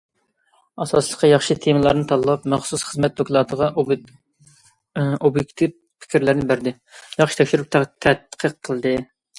ئاساسلىقى ياخشى تېمىلارنى تاللاپ، مەخسۇس خىزمەت دوكلاتىغا ئوبيېكتىپ پىكىرلەرنى بەردى، ياخشى تەكشۈرۈپ تەتقىق قىلدى.